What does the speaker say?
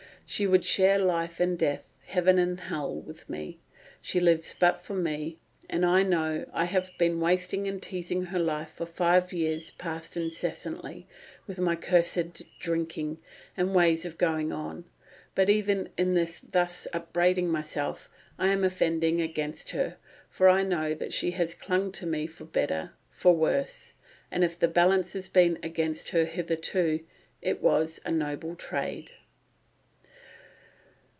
She would share life and death, heaven and hell, with me. She lives but for me; and I know I have been wasting and teasing her life for five years past incessantly, with my cursed drinking and ways of going on. But even in thus upbraiding myself I am offending against her, for I know that she has clung to me for better, for worse; and if the balance has been against her hitherto it was a noble trade."